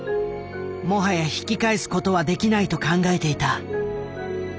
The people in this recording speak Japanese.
もはや引き返すことはできないと考えていた。